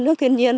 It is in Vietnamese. nước thiên nhiên